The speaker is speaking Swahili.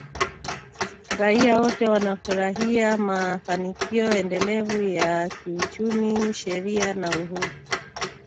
raia wote wanafurahia mafanikio endelevu ya kiuchumi, sheria na uhuru